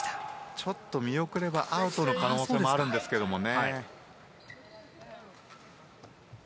ちょっと見遅れはアウトの可能性もあるんですがね。